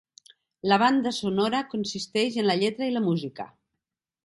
La Banda Sonora consisteix en la lletra i la música.